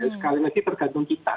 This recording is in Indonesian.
sekali lagi tergantung kita